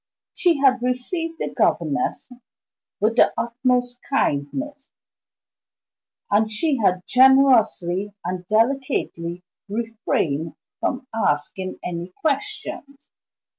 She had received the governess with the utmost kindness, and she had generously and delicately refrained from asking any questions.